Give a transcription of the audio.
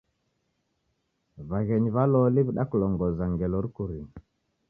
W'aghenyi w'a loli w'idakulongoza ngelo rikurie.